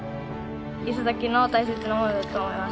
五十猛の大切なものだと思います。